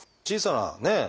小さなね